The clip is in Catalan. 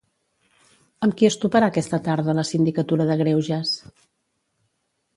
Amb qui es toparà aquesta tarda la Sindicatura de Greuges?